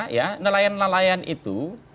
ya nelayan nelayan itu